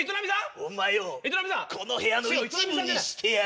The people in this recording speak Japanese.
お前をこの部屋の一部にしてやる。